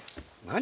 何？